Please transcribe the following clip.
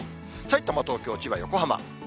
さいたま、東京、千葉、横浜。